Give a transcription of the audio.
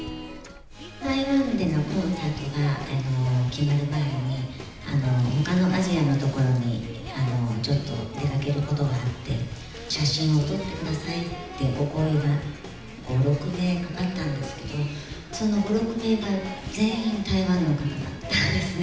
台湾でのコンサートが決まる前に、ほかのアジアの所に、ちょっと出かけることがあって、写真を撮ってくださいってお声が５、６名かかったんですけど、その５、６名が全員台湾の方だったんですね。